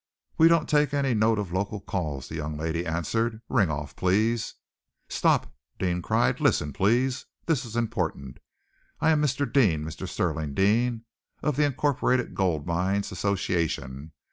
"We don't take any note of local calls," the young lady answered. "Ring off, please!" "Stop!" Deane cried. "Listen, please! This is important! I am Mr. Deane Mr. Stirling Deane of the Incorporated Gold Mines Association.